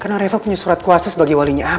karena reva punya surat kuasa sebagai walinya abi